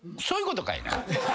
そういうことかいな。